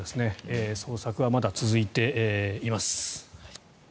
捜索はまだ続いています。